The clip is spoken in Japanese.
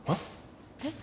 えっ？